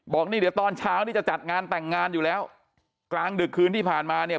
บอกนี่เดี๋ยวตอนเช้านี่จะจัดงานแต่งงานอยู่แล้วกลางดึกคืนที่ผ่านมาเนี่ย